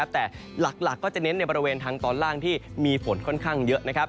แต่หลักก็จะเน้นในบริเวณทางตอนล่างที่มีฝนค่อนข้างเยอะ